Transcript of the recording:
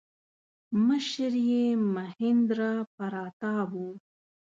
مشر یې مهیندراپراتاپ و.